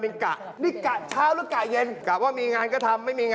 เวลา๑๖นาฬิกา๓๐นาที